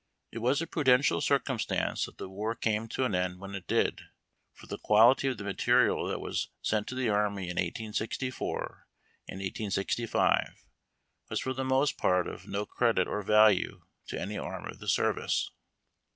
It was a prudential circumstance that the war came to an end \vheu it did, for the qualit}^ of the material that was sent to the army in 1864 and 1865 was for the most part of no credit or value to any arm of the service.